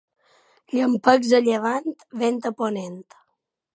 Llampecs a llevant, vent a ponent.